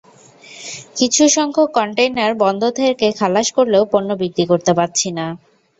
কিছু সংখ্যক কনটেইনার বন্দর থেকে খালাস করলেও পণ্য বিক্রি করতে পারছি না।